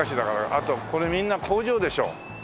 あとはこれみんな工場でしょ。